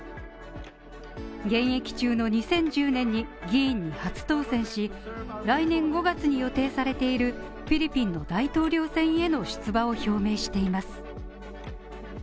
現役中の２０１０年に議員に初当選し、来年５月に予定されているフィリピンの大統領選への出馬を表明しています。